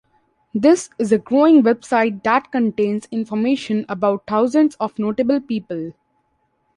This is a growing website that contains information about thousands of notable people.